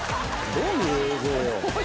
どういう映像よ？